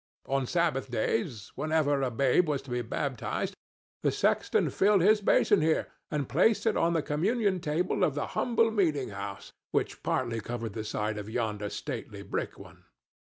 On Sabbath days, whenever a babe was to be baptized, the sexton filled his basin here and placed it on the communion table of the humble meeting house, which partly covered the site of yonder stately brick one.